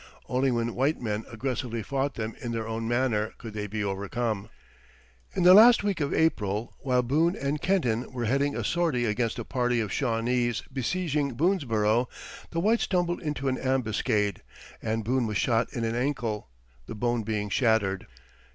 Only when white men aggressively fought them in their own manner could they be overcome. In the last week of April, while Boone and Kenton were heading a sortie against a party of Shawnese besieging Boonesborough, the whites stumbled into an ambuscade, and Boone was shot in an ankle, the bone being shattered.